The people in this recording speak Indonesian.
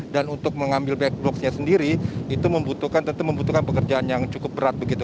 dan untuk mengambil black box nya sendiri itu tentu membutuhkan pekerjaan yang cukup berat begitu